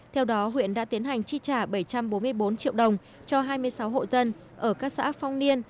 theo đó huyện đã tiến hành chi trả bảy trăm bốn mươi bốn triệu đồng cho hai mươi sáu hộ dân ở các xã phong niên